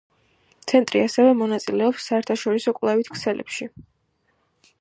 ცენტრი ასევე მონაწილეობს საერთაშორისო კვლევით ქსელებში.